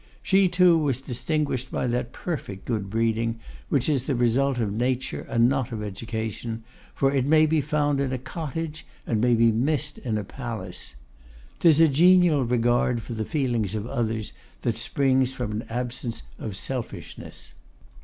She, too, was distinguished by that perfect good breeding which is the result of nature and not of education: for it may be found in a cottage, and may be missed in a palace. 'Tis a genial regard for the feelings of others that springs from an absence of selfishness.